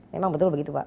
memang betul begitu pak